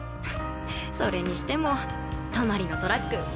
それにしてもトマリのトラック